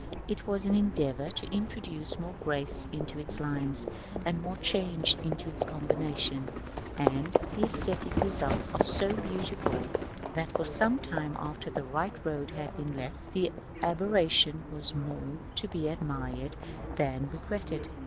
It was an endeavor to introduce more grace into its lines, and more change into its combinations; and the æsthetic results are so beautiful, that for some time after the right road had been left, the aberration was more to be admired than regretted.